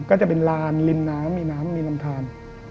ก็จะเป็นลานริมน้ำมีน้ำมีลำทาน